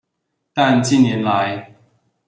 但近年來